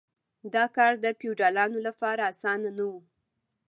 دا کار د فیوډالانو لپاره اسانه نه و.